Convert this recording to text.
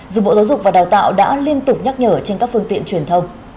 dù bộ giáo dục và đào tạo đã liên tục nhắc nhở trên các phương tiện truyền thông